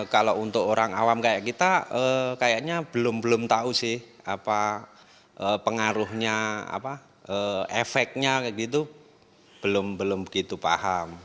kalau untuk orang awam kayak kita kayaknya belum tahu sih pengaruhnya efeknya gitu belum begitu paham